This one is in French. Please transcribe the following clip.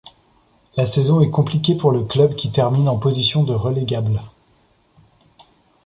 La saison est compliquée pour le club qui termine en position de relégable.